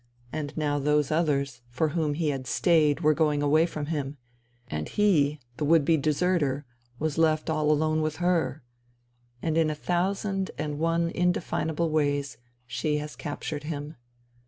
And now those others, for whom he had stayed, were going away from him, and he' the would be deserter, was left all alone with her ; and in a thousand and one indefinable ways she has captured him.